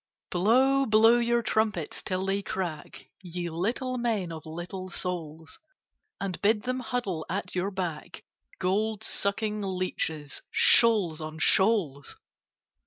] BLOW, blow your trumpets till they crack, Ye little men of little souls! And bid them huddle at your back— Gold sucking leeches, shoals on shoals!